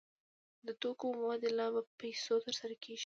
د توکو مبادله په پیسو ترسره کیږي.